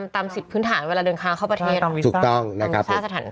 ตามสิทธิ์พื้นฐานการเดินค้าเข้าประเทศ